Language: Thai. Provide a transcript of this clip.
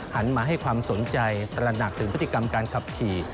หันมาให้ความสนใจตระหนักถึงพฤติกรรมการขับขี่